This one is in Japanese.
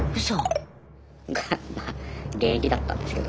がまあ現役だったんですけど。